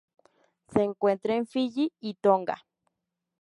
Se encuentra en Fiyi y Tonga.